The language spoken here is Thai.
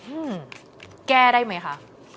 อื้มแก้ได้มั้ยคะ